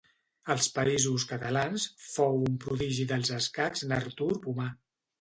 Als Països Catalans, fou un prodigi dels escacs n'Artur Pomar.